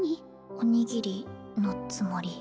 おにぎりのつもり